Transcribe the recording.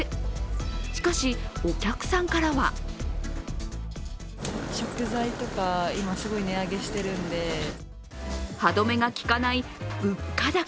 しかし、お客さんからは歯止めがきかない物価高。